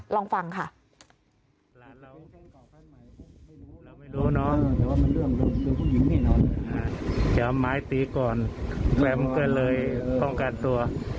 ลองฟังค่ะ